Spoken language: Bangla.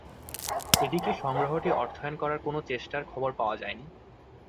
এদিকে সংগ্রহটি অর্থায়ন করার কোনও চেষ্টার খবর পাওয়া যায়নি।